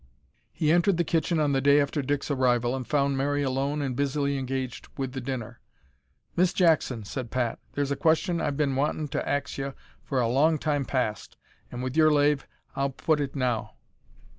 He entered the kitchen on the day after Dick's arrival and found Mary alone and busily engaged with the dinner. "Miss Jackson," said Pat, "there's a question I've bin wantin' to ax ye for a long time past, an' with your lave I'll putt it now."